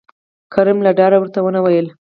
کريم له ډاره ورته ونه ويل